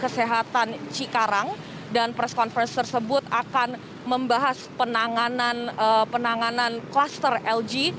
kesehatan cikarang dan press conference tersebut akan membahas penanganan klaster lg